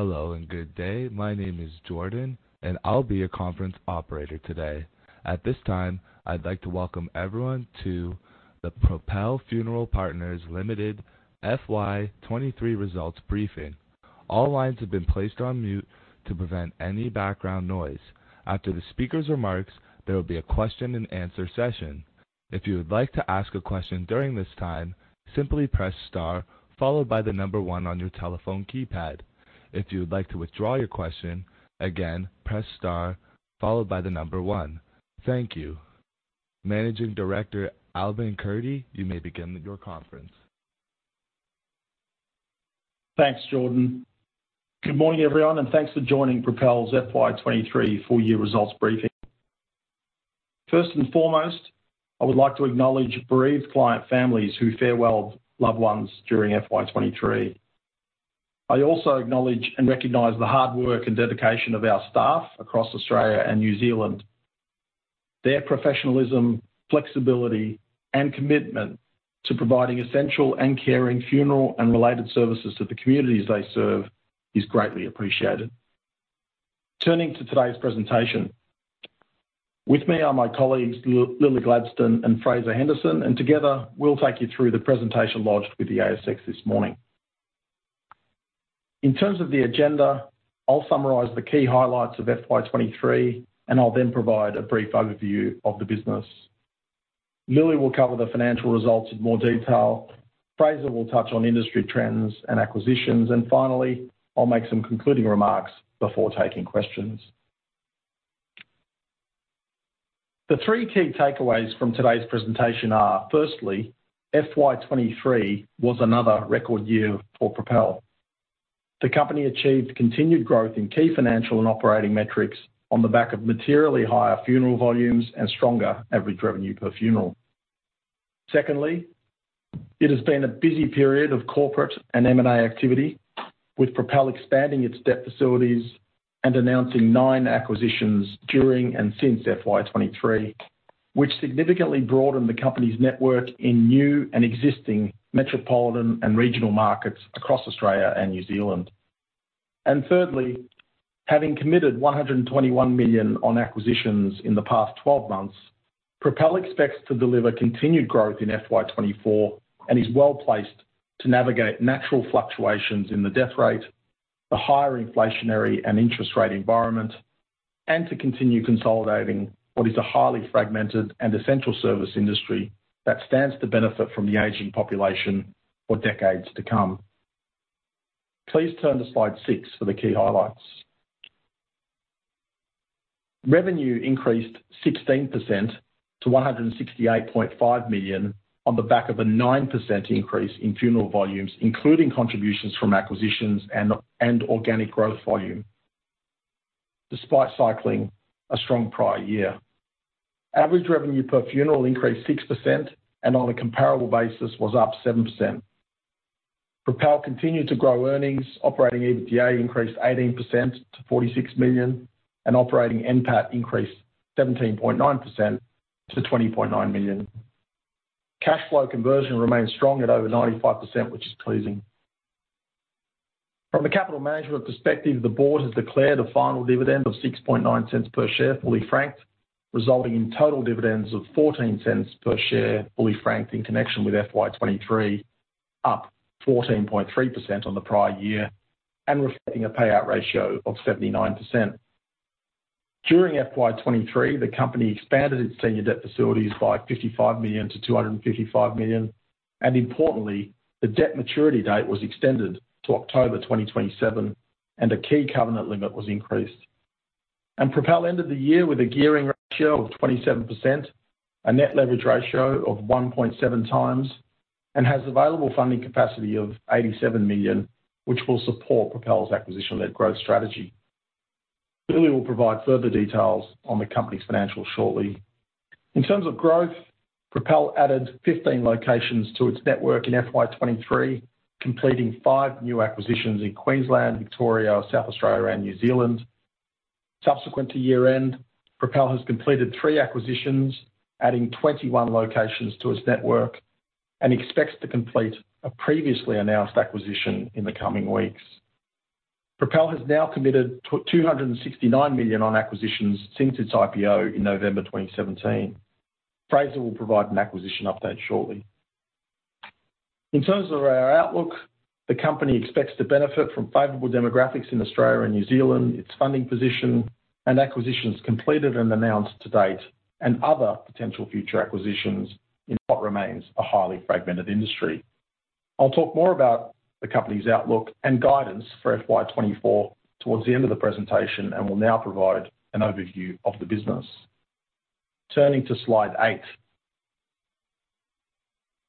Hello, and good day. My name is Jordan, and I'll be your conference operator today. At this time, I'd like to welcome everyone to the Propel Funeral Partners Limited FY 2023 Results Briefing. All lines have been placed on mute to prevent any background noise. After the speaker's remarks, there will be a question-and-answer session. If you would like to ask a question during this time, simply press star followed by the number one on your telephone keypad. If you would like to withdraw your question, again, press star followed by the number one. Thank you. Managing Director Albin Kurti, you may begin your conference. Thanks, Jordan. Good morning, everyone, and thanks for joining Propel's FY 2023 full-year results briefing. First and foremost, I would like to acknowledge bereaved client families who farewelled loved ones during FY 2023. I also acknowledge and recognize the hard work and dedication of our staff across Australia and New Zealand. Their professionalism, flexibility, and commitment to providing essential and caring funeral and related services to the communities they serve is greatly appreciated. Turning to today's presentation, with me are my colleagues, Lilli Gladstone and Fraser Henderson, and together, we'll take you through the presentation lodged with the ASX this morning. In terms of the agenda, I'll summarize the key highlights of FY 2023, and I'll then provide a brief overview of the business. Lilli will cover the financial results in more detail. Fraser will touch on industry trends and acquisitions, and finally, I'll make some concluding remarks before taking questions. The three key takeaways from today's presentation are, firstly, FY 2023 was another record year for Propel. The company achieved continued growth in key financial and operating metrics on the back of materially higher funeral volumes and stronger average revenue per funeral. Secondly, it has been a busy period of corporate and M&A activity, with Propel expanding its debt facilities and announcing nine acquisitions during and since FY 2023, which significantly broadened the company's network in new and existing metropolitan and regional markets across Australia and New Zealand. And thirdly, having committed 121 million on acquisitions in the past 12 months, Propel expects to deliver continued growth in FY 2024 and is well-placed to navigate natural fluctuations in the death rate, the higher inflationary and interest rate environment, and to continue consolidating what is a highly fragmented and essential service industry that stands to benefit from the aging population for decades to come. Please turn to slide 6 for the key highlights. Revenue increased 16% to 168.5 million on the back of a 9% increase in funeral volumes, including contributions from acquisitions and organic growth volume, despite cycling a strong prior year. Average revenue per funeral increased 6%, and on a comparable basis, was up 7%. Propel continued to grow earnings. Operating EBITDA increased 18% to 46 million, and operating NPAT increased 17.9% to 20.9 million. Cash flow conversion remains strong at over 95%, which is pleasing. From a capital management perspective, the board has declared a final dividend of 0.069 per share, fully franked, resulting in total dividends of 0.14 per share, fully franked, in connection with FY 2023, up 14.3% on the prior year and reflecting a payout ratio of 79%. During FY 2023, the company expanded its senior debt facilities by 55 million to 255 million, and importantly, the debt maturity date was extended to October 2027, and a key covenant limit was increased. Propel ended the year with a gearing ratio of 27%, a net leverage ratio of 1.7x, and has available funding capacity of 87 million, which will support Propel's acquisition-led growth strategy. Lilli will provide further details on the company's financials shortly. In terms of growth, Propel added 15 locations to its network in FY 2023, completing five new acquisitions in Queensland, Victoria, South Australia and New Zealand. Subsequent to year-end, Propel has completed three acquisitions, adding 21 locations to its network, and expects to complete a previously announced acquisition in the coming weeks. Propel has now committed to 269 million on acquisitions since its IPO in November 2017. Fraser will provide an acquisition update shortly. In terms of our outlook, the company expects to benefit from favorable demographics in Australia and New Zealand, its funding position, and acquisitions completed and announced to date, and other potential future acquisitions in what remains a highly fragmented industry. I'll talk more about the company's outlook and guidance for FY 2024 towards the end of the presentation, and will now provide an overview of the business. Turning to slide eight.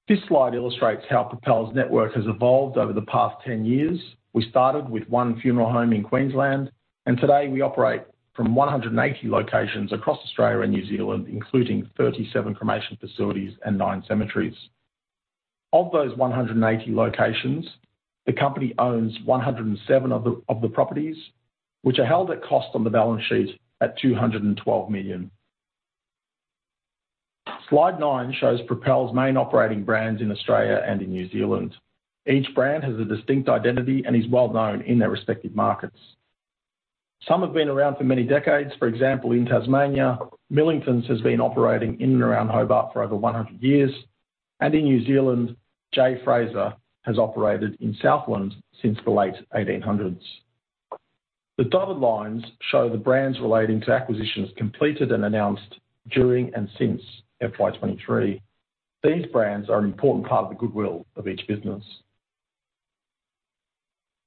This slide illustrates how Propel's network has evolved over the past 10 years. We started with one funeral home in Queensland, and today we operate from 180 locations across Australia and New Zealand, including 37 cremation facilities and nine cemeteries. Of those 180 locations, the company owns 107 of the properties, which are held at cost on the balance sheet at 212 million.... Slide 9 shows Propel's main operating brands in Australia and in New Zealand. Each brand has a distinct identity and is well known in their respective markets. Some have been around for many decades. For example, in Tasmania, Millingtons has been operating in and around Hobart for over 100 years, and in New Zealand, J. Fraser has operated in Southland since the late 1800s. The dotted lines show the brands relating to acquisitions completed and announced during and since FY 2023. These brands are an important part of the goodwill of each business.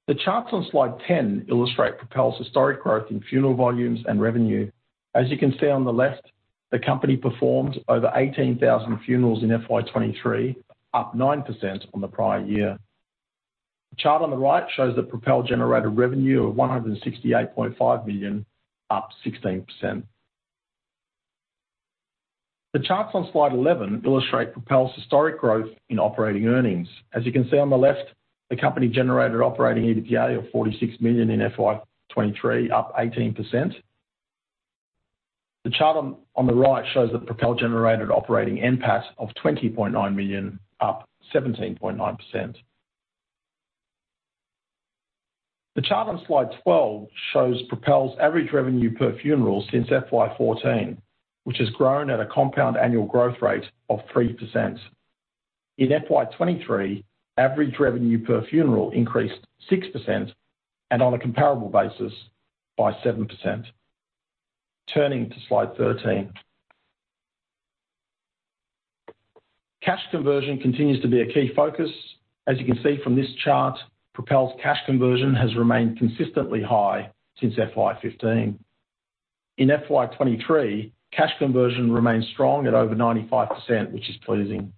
The charts on slide 10 illustrate Propel's historic growth in funeral volumes and revenue. As you can see on the left, the company performed over 18,000 funerals in FY 2023, up 9% from the prior year. The chart on the right shows that Propel generated revenue of 168.5 million, up 16%. The charts on slide 11 illustrate Propel's historic growth in operating earnings. As you can see on the left, the company generated operating EBITDA of 46 million in FY 2023, up 18%. The chart on the right shows that Propel generated operating NPAT of 20.9 million, up 17.9%. The chart on slide 12 shows Propel's average revenue per funeral since FY 2014, which has grown at a compound annual growth rate of 3%. In FY 2023, average revenue per funeral increased 6%, and on a comparable basis, by 7%. Turning to slide 13. Cash conversion continues to be a key focus. As you can see from this chart, Propel's cash conversion has remained consistently high since FY 2015. In FY 2023, cash conversion remains strong at over 95%, which is pleasing.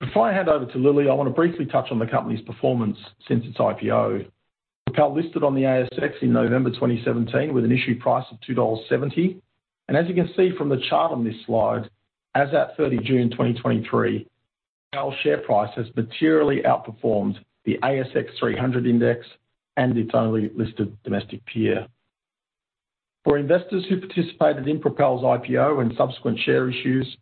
Before I hand over to Lily, I want to briefly touch on the company's performance since its IPO. Propel listed on the ASX in November 2017, with an issue price of 2.70 dollars. As you can see from the chart on this slide, as at 30 June 2023, Propel's share price has materially outperformed the ASX 300 index and its only listed domestic peer. For investors who participated in Propel's IPO and subsequent share issues,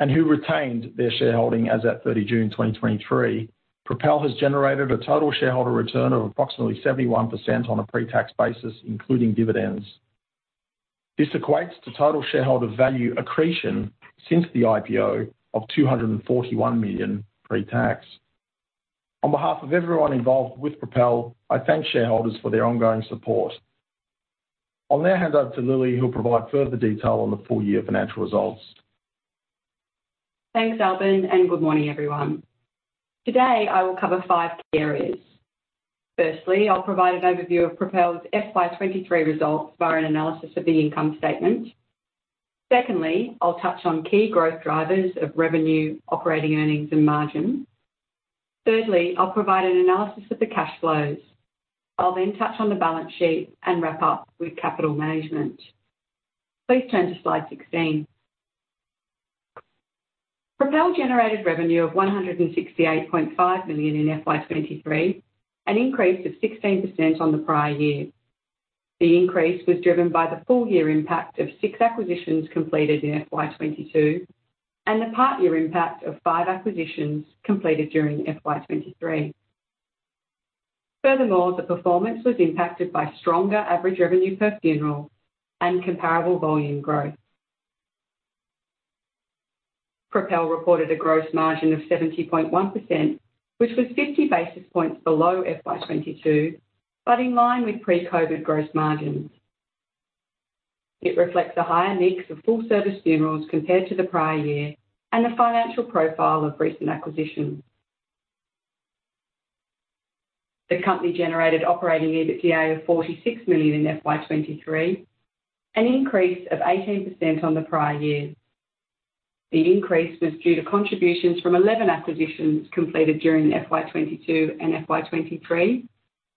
and who retained their shareholding as at 30 June 2023, Propel has generated a total shareholder return of approximately 71% on a pre-tax basis, including dividends. This equates to total shareholder value accretion since the IPO of 241 million pre-tax. On behalf of everyone involved with Propel, I thank shareholders for their ongoing support. I'll now hand over to Lilli, who'll provide further detail on the full year financial results. Thanks, Albin, and good morning, everyone. Today, I will cover five key areas. Firstly, I'll provide an overview of Propel's FY 2023 results via an analysis of the income statement. Secondly, I'll touch on key growth drivers of revenue, operating, earnings, and margin. Thirdly, I'll provide an analysis of the cash flows. I'll then touch on the balance sheet and wrap up with capital management. Please turn to slide 16. Propel generated revenue of 168.5 million in FY 2023, an increase of 16% on the prior year. The increase was driven by the full year impact of six acquisitions completed in FY 2022, and the part year impact of five acquisitions completed during FY 2023. Furthermore, the performance was impacted by stronger average revenue per funeral and comparable volume growth. Propel reported a gross margin of 70.1%, which was 50 basis points below FY 2022, but in line with pre-COVID gross margins. It reflects a higher mix of full-service funerals compared to the prior year and the financial profile of recent acquisitions. The company generated operating EBITDA of 46 million in FY 2023, an increase of 18% on the prior year. The increase was due to contributions from 11 acquisitions completed during FY 2022 and FY 2023,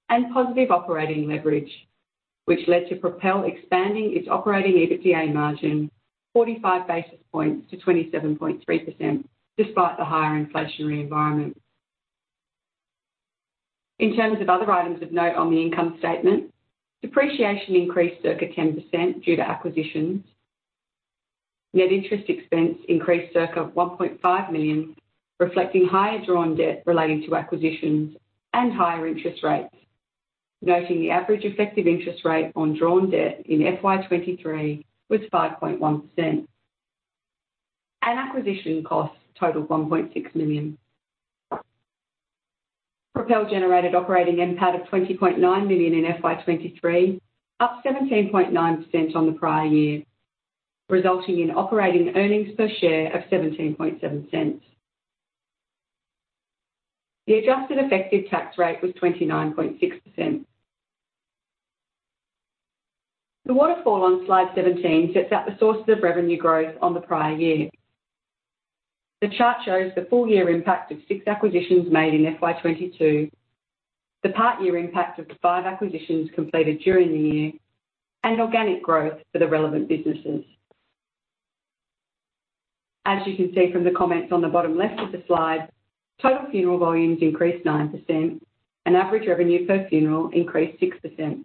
and positive operating leverage, which led to Propel expanding its operating EBITDA margin 45 basis points to 27.3%, despite the higher inflationary environment. In terms of other items of note on the income statement, depreciation increased circa 10% due to acquisitions. Net interest expense increased circa 1.5 million, reflecting higher drawn debt relating to acquisitions and higher interest rates. Noting the average effective interest rate on drawn debt in FY 2023 was 5.1%. Acquisition costs totaled 1.6 million. Propel generated operating NPAT of 20.9 million in FY 2023, up 17.9% on the prior year, resulting in operating earnings per share of 0.177. The adjusted effective tax rate was 29.6%. The waterfall on slide 17 sets out the sources of revenue growth on the prior year. The chart shows the full year impact of six acquisitions made in FY 2022, the part year impact of the five acquisitions completed during the year, and organic growth for the relevant businesses.... as you can see from the comments on the bottom left of the slide, total funeral volumes increased 9%, and average revenue per funeral increased 6%.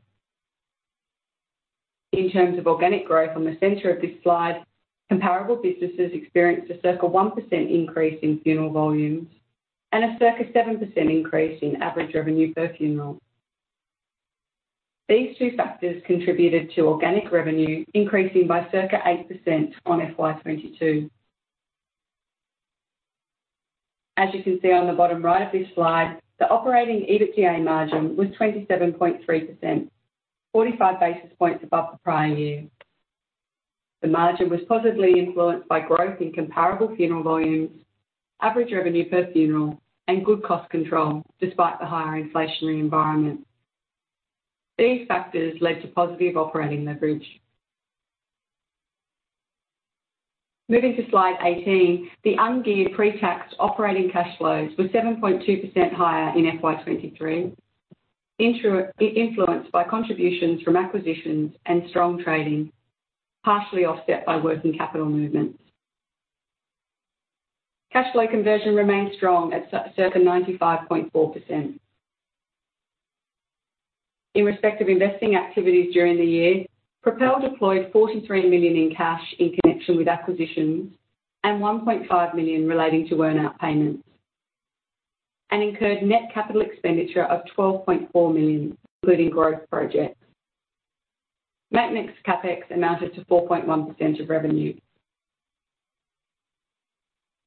In terms of organic growth on the center of this slide, comparable businesses experienced a circa 1% increase in funeral volumes and a circa 7% increase in average revenue per funeral. These two factors contributed to organic revenue, increasing by circa 8% on FY 2022. As you can see on the bottom right of this slide, the operating EBITDA margin was 27.3%, 45 basis points above the prior year. The margin was positively influenced by growth in comparable funeral volumes, average revenue per funeral, and good cost control despite the higher inflationary environment. These factors led to positive operating leverage. Moving to slide 18, the ungeared pre-tax operating cash flows were 7.2% higher in FY 2023, influenced by contributions from acquisitions and strong trading, partially offset by working capital movements. Cash flow conversion remained strong at circa 95.4%. In respect of investing activities during the year, Propel deployed 43 million in cash in connection with acquisitions, and 1.5 million relating to earn-out payments, and incurred net capital expenditure of 12.4 million, including growth projects. Net capex amounted to 4.1% of revenue.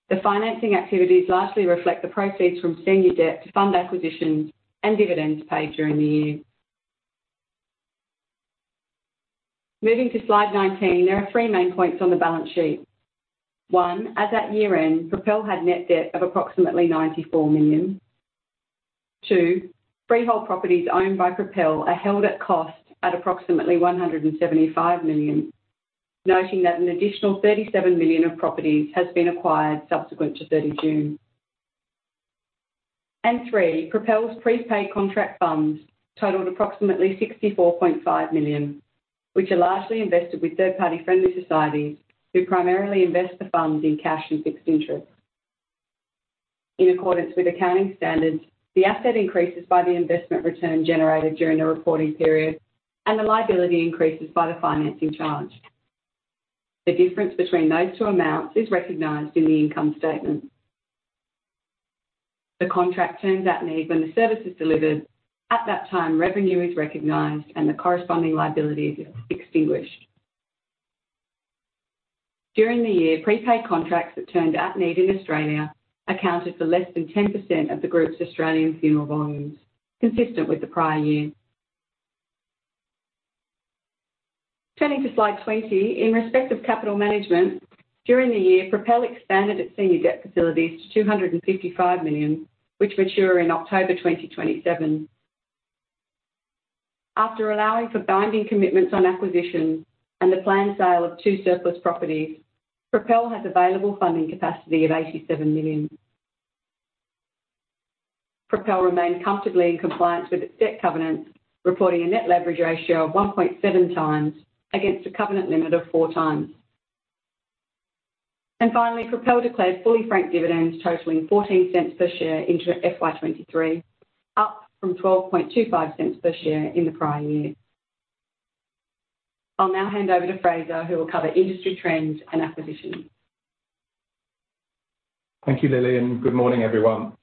The financing activities largely reflect the proceeds from senior debt to fund acquisitions and dividends paid during the year. Moving to slide 19, there are three main points on the balance sheet. One, at that year-end, Propel had net debt of approximately 94 million. Two, freehold properties owned by Propel are held at cost at approximately 175 million, noting that an additional 37 million of properties has been acquired subsequent to 30 June. Three, Propel's prepaid contract funds totaled approximately 64.5 million, which are largely invested with third-party friendly societies, who primarily invest the funds in cash and fixed interest. In accordance with accounting standards, the asset increases by the investment return generated during the reporting period, and the liability increases by the financing charge. The difference between those two amounts is recognized in the income statement. The contract turns at need when the service is delivered. At that time, revenue is recognized and the corresponding liability is extinguished. During the year, prepaid contracts that turned at need in Australia accounted for less than 10% of the group's Australian funeral volumes, consistent with the prior year. Turning to slide 20, in respect of capital management, during the year, Propel expanded its senior debt facilities to 255 million, which mature in October 2027. After allowing for binding commitments on acquisitions and the planned sale of two surplus properties, Propel has available funding capacity of 87 million. Propel remained comfortably in compliance with its debt covenants, reporting a net leverage ratio of 1.7x against a covenant limit of 4x. Finally, Propel declared fully franked dividends totaling 0.14 per share in FY 2023, up from 0.1225 per share in the prior year. I'll now hand over to Fraser, who will cover industry trends and acquisitions. Thank you, Lilli. Good morning, everyone.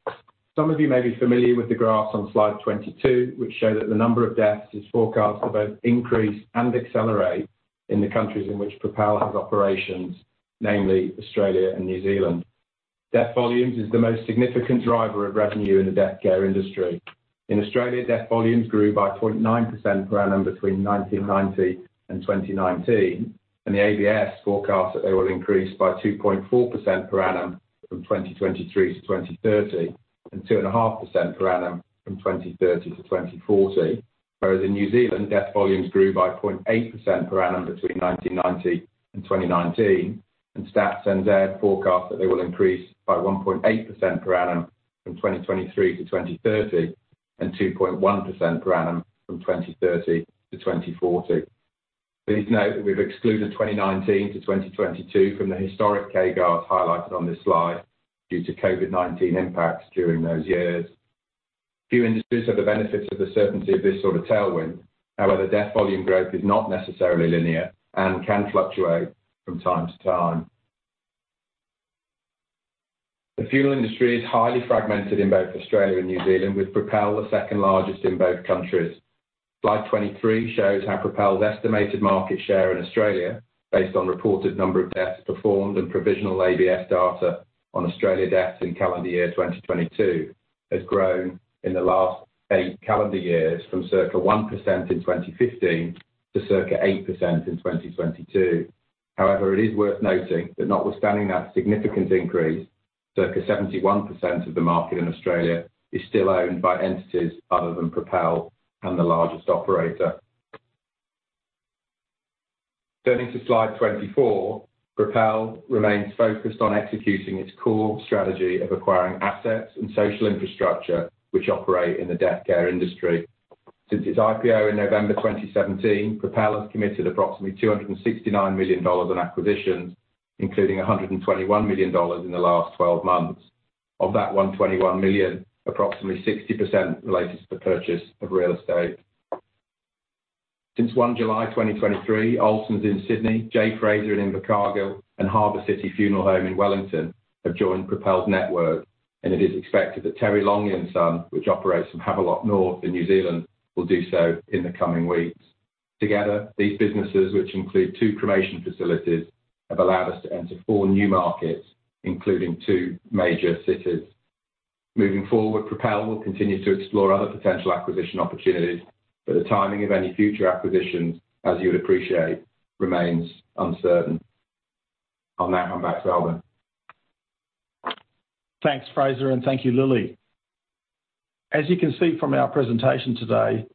Some of you may be familiar with the graphs on slide 22, which show that the number of deaths is forecast to both increase and accelerate in the countries in which Propel has operations, namely Australia and New Zealand. Death volumes is the most significant driver of revenue in the death care industry. In Australia, death volumes grew by 0.9% per annum between 1990 and 2019, and the ABS forecasts that they will increase by 2.4% per annum from 2023 to 2030, and 2.5% per annum from 2030 to 2040. Whereas in New Zealand, death volumes grew by 0.8% per annum between 1990 and 2019, and Stats NZ forecast that they will increase by 1.8% per annum from 2023 to 2030, and 2.1% per annum from 2030 to 2040. Please note that we've excluded 2019 to 2022 from the historic guardrails highlighted on this slide due to COVID-19 impacts during those years. Few industries have the benefits of the certainty of this sort of tailwind. However, death volume growth is not necessarily linear and can fluctuate from time to time. The funeral industry is highly fragmented in both Australia and New Zealand, with Propel the second largest in both countries. Slide 23 shows how Propel's estimated market share in Australia, based on reported number of deaths performed and provisional ABS data on Australia deaths in calendar year 2022, has grown in the last eight calendar years from circa 1% in 2015 to circa 8% in 2022. However, it is worth noting that notwithstanding that significant increase, circa 71% of the market in Australia is still owned by entities other than Propel and the largest operator. Turning to slide 24, Propel remains focused on executing its core strategy of acquiring assets and social infrastructure, which operate in the death care industry. Since its IPO in November 2017, Propel has committed approximately 269 million dollars in acquisitions, including 121 million dollars in the last twelve months. Of that 121 million, approximately 60% relates to the purchase of real estate. Since 1 July 2023, Olsen's in Sydney, J. Fraser in Invercargill, and Harbour City Funeral Home in Wellington have joined Propel's network, and it is expected that Terry Longley & Son, which operates from Havelock North in New Zealand, will do so in the coming weeks. Together, these businesses, which include two cremation facilities, have allowed us to enter four new markets, including two major cities. Moving forward, Propel will continue to explore other potential acquisition opportunities, but the timing of any future acquisitions, as you would appreciate, remains uncertain. I'll now hand back to Albin. Thanks, Fraser, and thank you, Lilli. As you can see from our presentation today,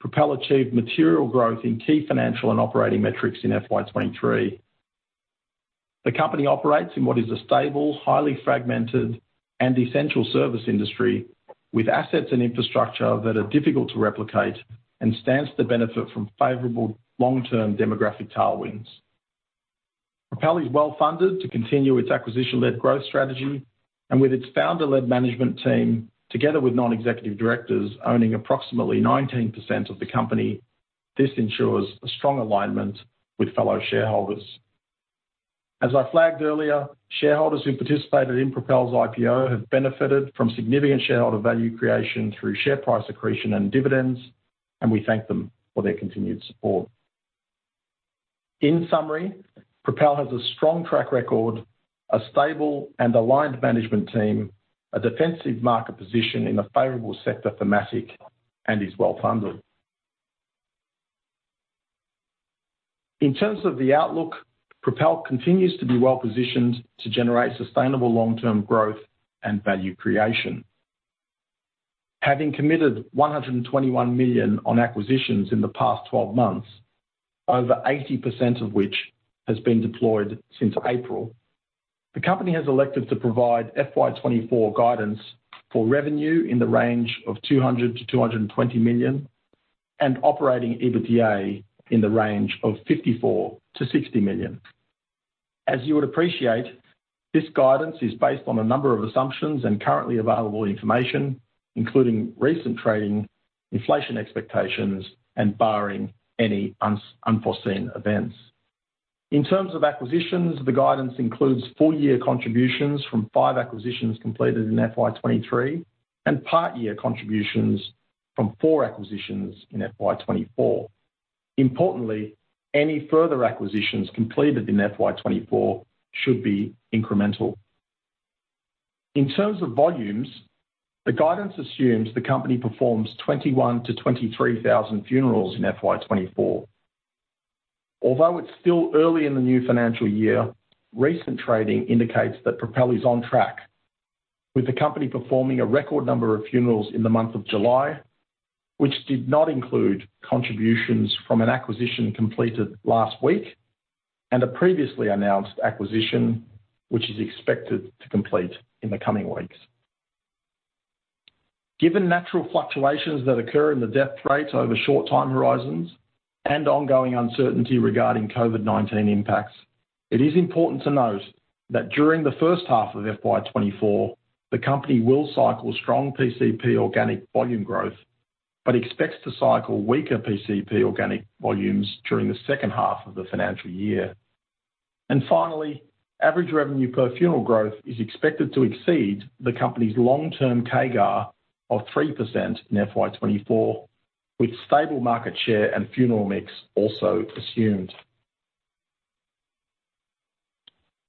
Propel achieved material growth in key financial and operating metrics in FY 2023. The company operates in what is a stable, highly fragmented and essential service industry, with assets and infrastructure that are difficult to replicate and stands to benefit from favorable long-term demographic tailwinds. Propel is well-funded to continue its acquisition-led growth strategy and with its founder-led management team, together with non-executive directors owning approximately 19% of the company, this ensures a strong alignment with fellow shareholders. As I flagged earlier, shareholders who participated in Propel's IPO have benefited from significant shareholder value creation through share price accretion and dividends, and we thank them for their continued support. In summary, Propel has a strong track record, a stable and aligned management team, a defensive market position in a favorable sector thematic, and is well-funded. In terms of the outlook, Propel continues to be well-positioned to generate sustainable long-term growth and value creation. Having committed 121 million on acquisitions in the past 12 months, over 80% of which has been deployed since April, the company has elected to provide FY 2024 guidance for revenue in the range of 200 million-220 million, and operating EBITDA in the range of 54 million-60 million. As you would appreciate, this guidance is based on a number of assumptions and currently available information, including recent trading, inflation expectations, and barring any unforeseen events. In terms of acquisitions, the guidance includes full-year contributions from 5 acquisitions completed in FY 2023, and part-year contributions from 4 acquisitions in FY 2024. Importantly, any further acquisitions completed in FY 2024 should be incremental. In terms of volumes, the guidance assumes the company performs 21,000-23,000 funerals in FY 2024. Although it's still early in the new financial year, recent trading indicates that Propel is on track, with the company performing a record number of funerals in the month of July, which did not include contributions from an acquisition completed last week, and a previously announced acquisition, which is expected to complete in the coming weeks. Given natural fluctuations that occur in the death rates over short time horizons and ongoing uncertainty regarding COVID-19 impacts, it is important to note that during the first half of FY 2024, the company will cycle strong PCP organic volume growth, but expects to cycle weaker PCP organic volumes during the second half of the financial year. Finally, average revenue per funeral growth is expected to exceed the company's long-term CAGR of 3% in FY 2024, with stable market share and funeral mix also assumed.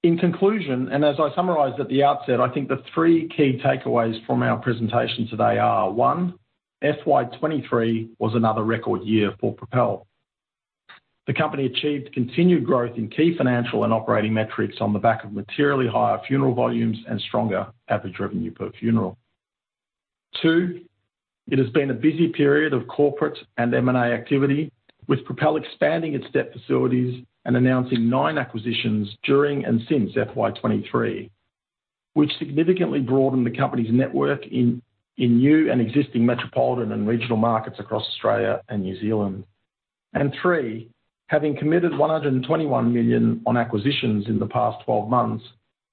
In conclusion, and as I summarized at the outset, I think the three key takeaways from our presentation today are, One, FY 2023 was another record year for Propel. The company achieved continued growth in key financial and operating metrics on the back of materially higher funeral volumes and stronger average revenue per funeral. Two, it has been a busy period of corporate and M&A activity, with Propel expanding its debt facilities and announcing nine acquisitions during and since FY 2023, which significantly broadened the company's network in new and existing metropolitan and regional markets across Australia and New Zealand. Three, having committed 121 million on acquisitions in the past 12 months,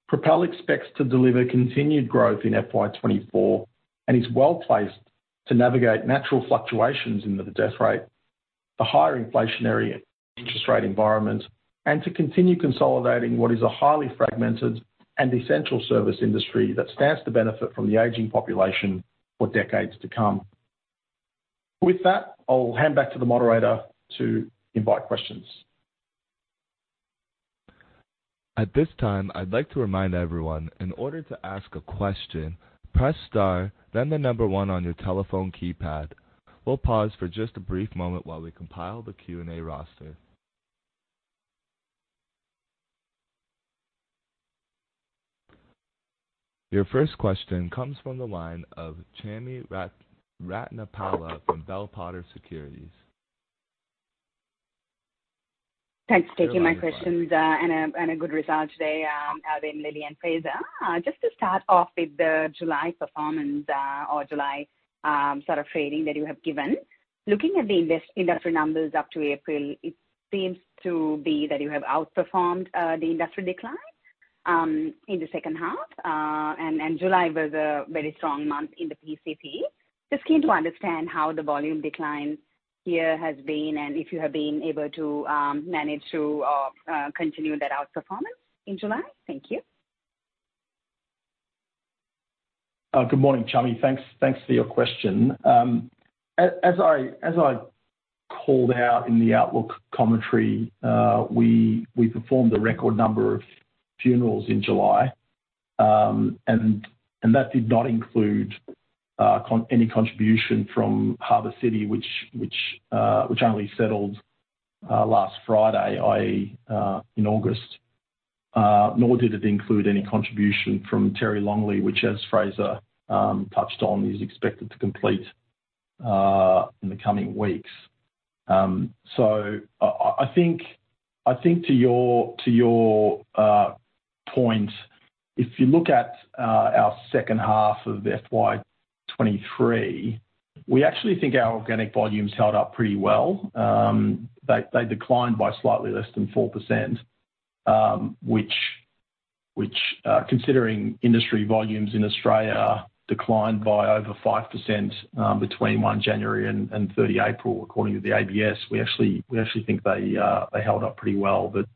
Propel expects to deliver continued growth in FY 2024 and is well-placed to navigate natural fluctuations in the death rate, the higher inflationary interest rate environment, and to continue consolidating what is a highly fragmented and essential service industry that stands to benefit from the aging population for decades to come. With that, I'll hand back to the moderator to invite questions. At this time, I'd like to remind everyone, in order to ask a question, press star, then the number one on your telephone keypad. We'll pause for just a brief moment while we compile the Q&A roster. Your first question comes from the line of Chami Ratnapala from Bell Potter Securities.... Thanks for taking my questions, and a good result today, Albin, Lilli, and Fraser. Just to start off with the July performance, or July, sort of trading that you have given. Looking at the industry numbers up to April, it seems to be that you have outperformed the industry decline in the second half. July was a very strong month in the PCP. Just keen to understand how the volume decline here has been, and if you have been able to manage to continue that outperformance in July. Thank you. Good morning, Chami. Thanks for your question. As I called out in the outlook commentary, we performed a record number of funerals in July. That did not include any contribution from Harbor City, which only settled last Friday, i.e., in August. Nor did it include any contribution from Terry Longland, which, as Fraser touched on, is expected to complete in the coming weeks. I think to your point, if you look at our second half of FY 2023, we actually think our organic volumes held up pretty well. They declined by slightly less than 4%, which, considering industry volumes in Australia declined by over 5%, between 1 January and 30 April, according to the ABS, we actually think they held up pretty well. But,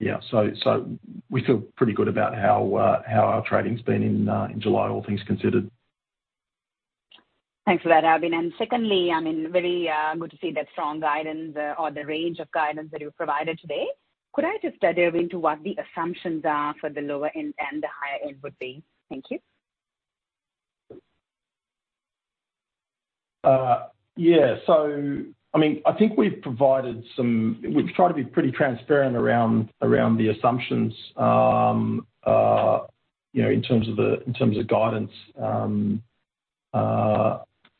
yeah, so we feel pretty good about how our trading's been in July, all things considered. Thanks for that, Albin. And secondly, I mean, very good to see that strong guidance, or the range of guidance that you provided today. Could I just dive into what the assumptions are for the lower end and the higher end would be? Thank you. Yeah. So, I mean, I think we've provided some... We've tried to be pretty transparent around the assumptions, you know, in terms of guidance,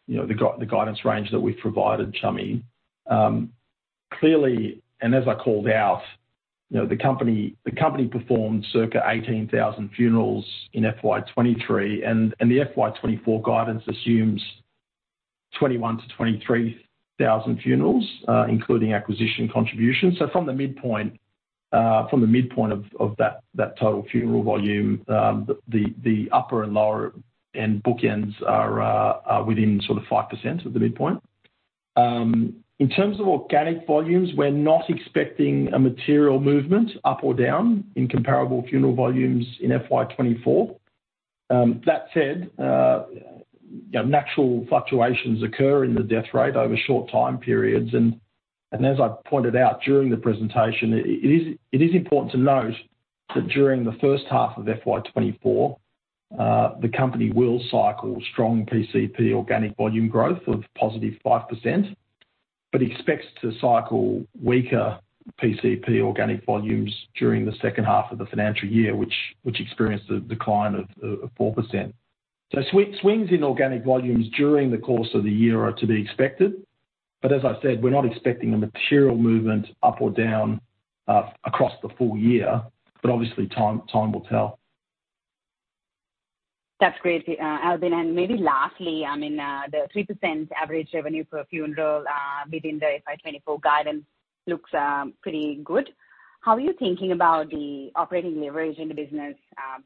you know, the guidance range that we've provided, Chami. Clearly, as I called out, you know, the company performed circa 18,000 funerals in FY 2023, and the FY 2024 guidance assumes 21,000-23,000 funerals, including acquisition contributions. So from the midpoint of that total funeral volume, the upper and lower end bookends are within sort of 5% of the midpoint. In terms of organic volumes, we're not expecting a material movement up or down in comparable funeral volumes in FY 2024. That said, you know, natural fluctuations occur in the death rate over short time periods. And as I pointed out during the presentation, it is important to note that during the first half of FY 2024, the company will cycle strong PCP organic volume growth of +5%, but expects to cycle weaker PCP organic volumes during the second half of the financial year, which experienced a decline of 4%. So swings in organic volumes during the course of the year are to be expected. But as I said, we're not expecting a material movement up or down across the full year, but obviously, time will tell. That's great, Albin. Maybe lastly, I mean, the 3% average revenue per funeral within the FY 2024 guidance looks pretty good. How are you thinking about the operating leverage in the business,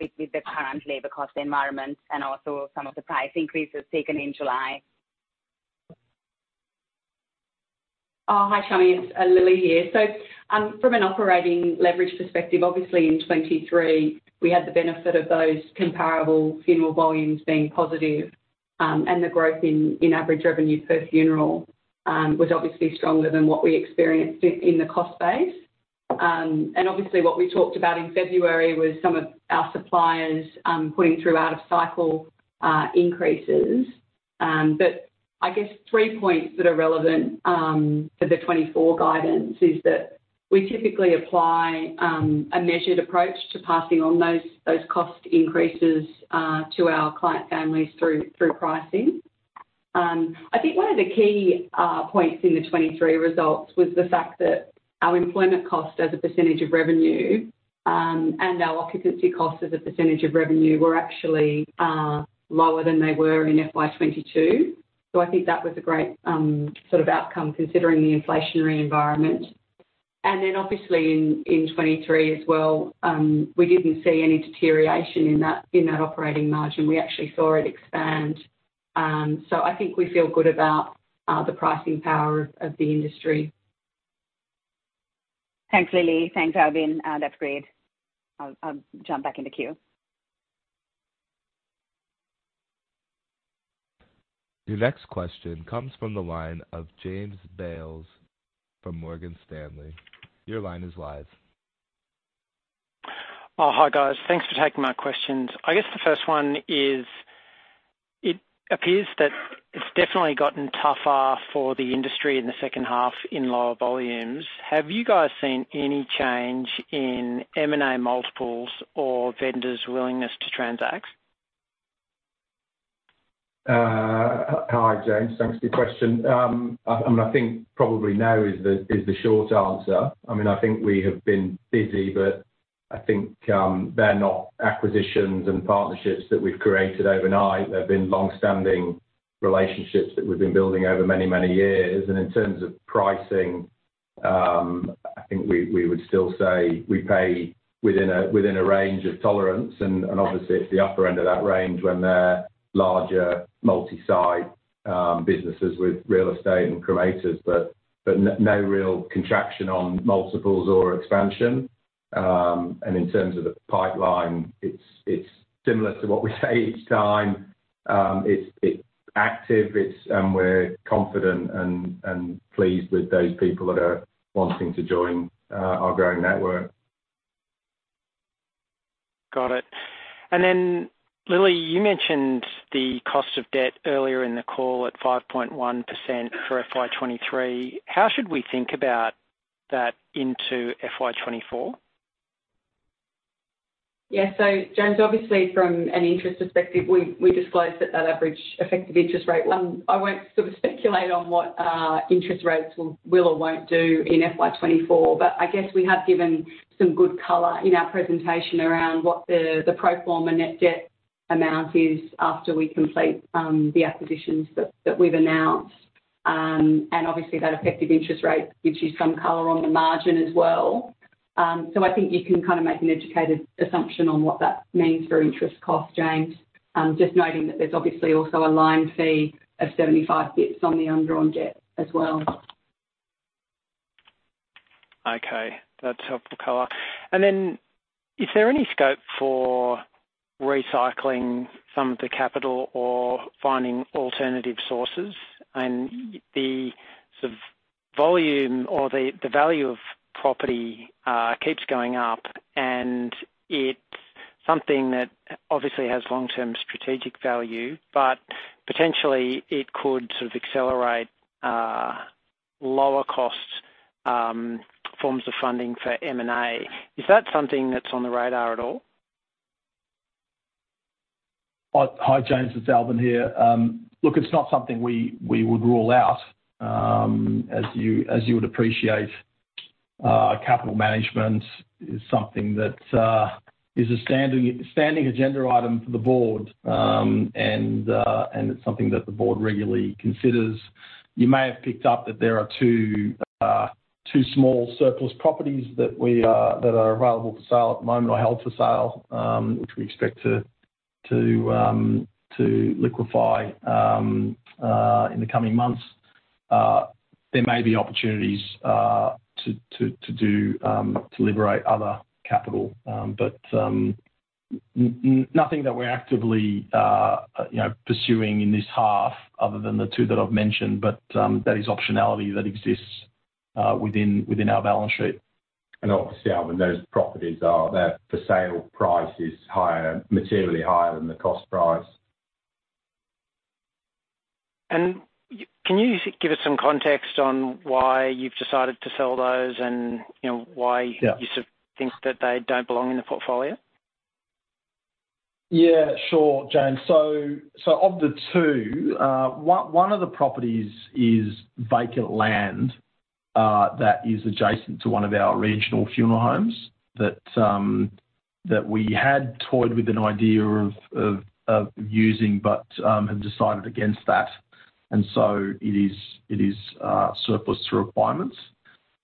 with the current labor cost environment and also some of the price increases taken in July? Hi, Chami, it's Lilli here. So, from an operating leverage perspective, obviously in 2023, we had the benefit of those comparable funeral volumes being positive, and the growth in, in average revenue per funeral, was obviously stronger than what we experienced in, in the cost base. Obviously, what we talked about in February was some of our suppliers, putting through out-of-cycle, increases. But I guess three points that are relevant, for the 2024 guidance is that we typically apply, a measured approach to passing on those, those cost increases, to our client families through, through pricing. I think one of the key points in the 2023 results was the fact that our employment cost as a percentage of revenue, and our occupancy costs as a percentage of revenue were actually lower than they were in FY 2022. So I think that was a great sort of outcome considering the inflationary environment. And then obviously in 2023 as well, we didn't see any deterioration in that operating margin. We actually saw it expand. So I think we feel good about the pricing power of the industry. Thanks, Lilli. Thanks, Albin. That's great. I'll jump back in the queue. Your next question comes from the line of James Bales from Morgan Stanley. Your line is live. Hi, guys. Thanks for taking my questions. I guess the first one is, it appears that it's definitely gotten tougher for the industry in the second half in lower volumes. Have you guys seen any change in M&A multiples or vendors' willingness to transact?... Hi, James. Thanks for the question. I, I think probably now is the, is the short answer. I mean, I think we have been busy, but I think, they're not acquisitions and partnerships that we've created overnight. They've been long-standing relationships that we've been building over many, many years. And in terms of pricing, I think we, we would still say we pay within a, within a range of tolerance. And, and obviously, it's the upper end of that range when they're larger, multi-site, businesses with real estate and crematoria. But, but no real contraction on multiples or expansion. And in terms of the pipeline, it's, it's similar to what we say each time. It's, it's active, it's-- we're confident and, and pleased with those people that are wanting to join, our growing network. Got it. And then, Lilli, you mentioned the cost of debt earlier in the call at 5.1% for FY 2023. How should we think about that into FY 2024? Yeah. So, James, obviously, from an interest perspective, we disclosed that average effective interest rate. I won't sort of speculate on what interest rates will or won't do in FY 2024. But I guess we have given some good color in our presentation around what the pro forma net debt amount is after we complete the acquisitions that we've announced. And obviously, that effective interest rate gives you some color on the margin as well. So I think you can kind of make an educated assumption on what that means for interest cost, James. Just noting that there's obviously also a line fee of 75 basis points on the undrawn debt as well. Okay, that's helpful color. And then, is there any scope for recycling some of the capital or finding alternative sources? And the sort of volume or the value of property keeps going up, and it's something that obviously has long-term strategic value, but potentially it could sort of accelerate lower cost forms of funding for M&A. Is that something that's on the radar at all? Hi, James, it's Albin here. Look, it's not something we would rule out. As you would appreciate, capital management is something that is a standing agenda item for the board. And it's something that the board regularly considers. You may have picked up that there are two small surplus properties that are available for sale at the moment, or held for sale, which we expect to liquefy in the coming months. There may be opportunities to liberate other capital. But nothing that we're actively you know pursuing in this half other than the two that I've mentioned. But that is optionality that exists within our balance sheet. Obviously, Albin, those properties are—their for sale price is higher, materially higher than the cost price. Can you give us some context on why you've decided to sell those, and you know, why- Yeah. -you sort of think that they don't belong in the portfolio? Yeah, sure, James. So, of the two, one of the properties is vacant land that is adjacent to one of our regional funeral homes that we had toyed with an idea of using, but have decided against that. And so it is surplus to requirements.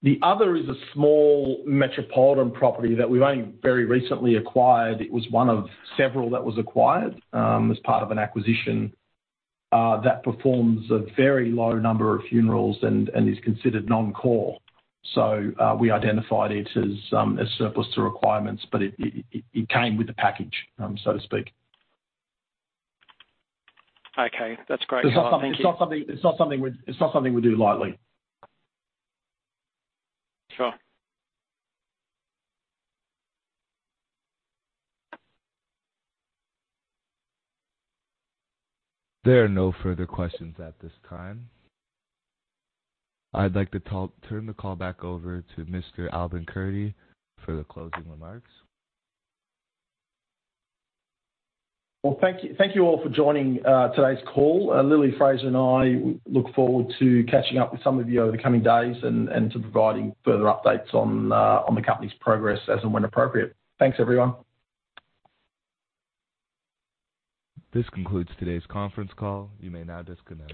The other is a small metropolitan property that we've only very recently acquired. It was one of several that was acquired as part of an acquisition that performs a very low number of funerals and is considered non-core. So, we identified it as surplus to requirements, but it came with the package, so to speak. Okay, that's great. It's not something we do lightly. Sure. There are no further questions at this time. I'd like to turn the call back over to Mr. Albin Kurti for the closing remarks. Well, thank you. Thank you all for joining today's call. Lilli, Fraser, and I look forward to catching up with some of you over the coming days and to providing further updates on the company's progress as and when appropriate. Thanks, everyone. This concludes today's conference call. You may now disconnect.